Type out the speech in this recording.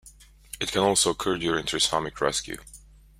It can also occur during trisomic rescue.